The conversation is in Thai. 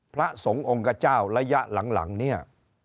พระสงฆ์องค์กระเจ้าระยะหลังเนี่ย